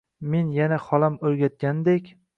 Men yana holam o'rgatganidek: